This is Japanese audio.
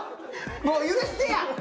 もう許してや！